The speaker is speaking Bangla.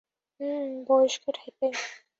হুমম, বয়স্ক টাইপের।